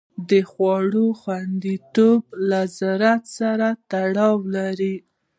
د خوړو خوندیتوب له زراعت سره تړاو لري.